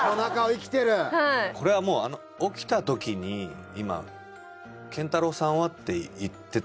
これはもう起きた時に今「健太郎さんは？」って言ってた。